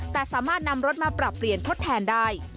แต่สามารถนำรถมาปรับเปลี่ยนทดแทนได้